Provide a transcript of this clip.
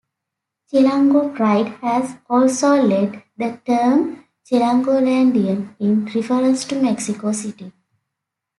"Chilango pride" has also led the term "Chilangolandia" in reference to Mexico City.